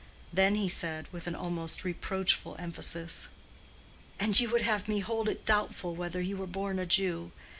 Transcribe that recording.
Then he said, with an almost reproachful emphasis, "And you would have me hold it doubtful whether you were born a Jew!